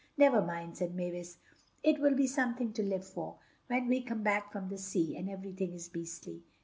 "Never mind," said Mavis, "it will be something to live for when we come back from the sea, and everything is beastly."